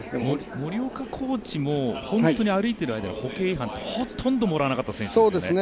森岡コーチも本当に歩いている間に歩型違反をほとんどもらわなかった選手ですよね。